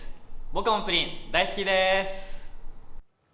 僕もプリン、大好きです。